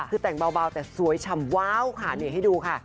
คือแต่งเบาแต่สวยฉ่ำว้าวค่ะนี่ให้ดูค่ะ